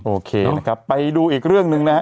โอเคนะครับไปดูอีกเรื่องหนึ่งนะฮะ